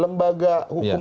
lembaga hukum politik